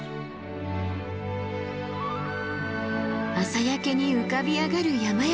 朝焼けに浮かび上がる山々。